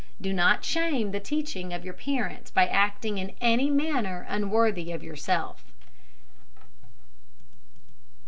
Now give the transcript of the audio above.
Do not shame the teaching of your parents by acting in any manner unworthy of yourself.